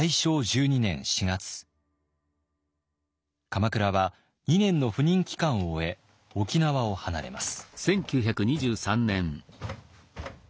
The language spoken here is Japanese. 鎌倉は２年の赴任期間を終え沖縄を離れます。